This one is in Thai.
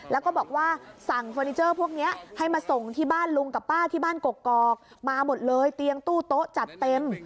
แล้วก็บอกว่าสั่งเฟอร์นิเจอร์พวกนี้ให้มาส่งที่บ้านลุงกับป้าที่บ้านกกอกมาหมดเลยเตียงตู้โต๊ะจัดเต็ม